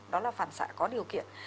đó là phản xạ có điều kiện